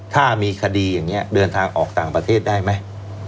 ถ้ามีคดีอย่างนี้เดินทางออกต่างประเทศได้ไหม